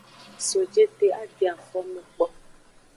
So jete a den afome kpo.